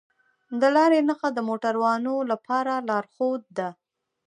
د لارې نښه د موټروانو لپاره لارښود ده.